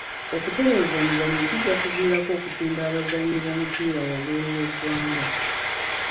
Okutereeza omuzannyo kijja kuviirako okutunda abazannyi b'omupiira waabweru w'eggwanga.